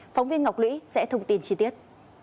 phóng viên ngọc lũy sẽ thông tin chi tiết